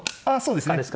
あそうですね